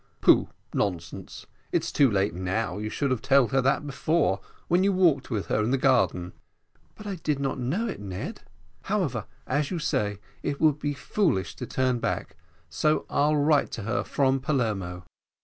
"Pooh, nonsense! it's too late now; you should have told her that before, when you walked with her in the garden." "But I did not know it, Ned. However, as you say, it would be foolish to turn back, so I'll write to her from Palermo."